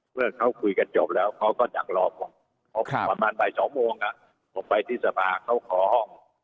เมื่อเขาคุยกันจบแล้วเขาก็ดักรอก่อนประมาณบ่าย๒โมงผมไปที่สภาเขาขอห้อง